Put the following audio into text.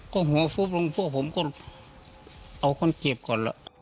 ก็หัวฟุบลงพวกผมก็เอาคนเจ็บก่อนล่ะ